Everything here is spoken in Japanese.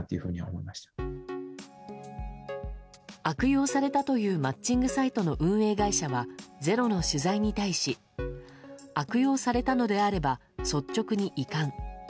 悪用されたというマッチングサイトの運営会社は「ｚｅｒｏ」の取材に対し悪用されたのであれば率直に遺憾。